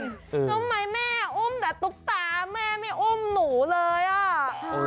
รู้ไหมแม่อุ้มแต่ตุ๊กตาแม่ไม่อุ้มหนูเลยอ่ะ